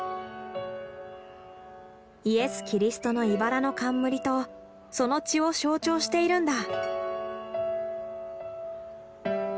イエス・キリストのいばらの冠とその血を象徴しているんだ。